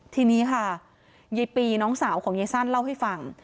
ทีนี้ค่ะยายปีน้องสาวของยายสั้นเล่าให้ฟัง